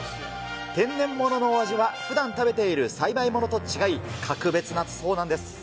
天然物のお味はふだん食べている栽培物と違い、格別なそうなんです。